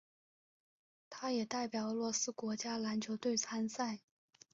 他也代表俄罗斯国家篮球队参赛。